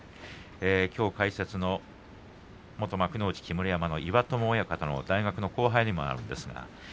きょう解説の元幕内木村山の岩友親方の後輩でもあります。